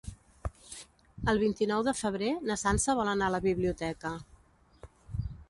El vint-i-nou de febrer na Sança vol anar a la biblioteca.